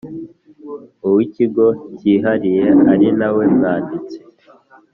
Uwikigo cyihariye ari na we mwanditsi